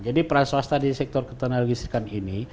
jadi perat swasta di sektor ketenagaan listrikan ini